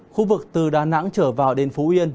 khu vực từ đà nẵng trở vào đến phú yên